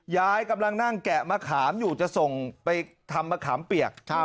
ยายกำลังนั่งแกะมะขามอยู่จะส่งไปทำมะขามเปียก